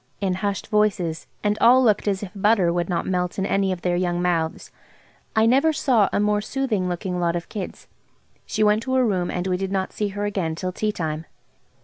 in hushed voices, and all looked as if butter would not melt in any of their young mouths. I never saw a more soothing looking lot of kids. She went to her room, and we did not see her again till tea time.